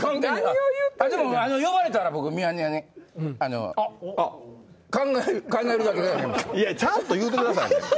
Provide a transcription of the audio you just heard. でも呼ばれたら僕、ミヤネ屋に、いや、ちゃんと言うてくださいね。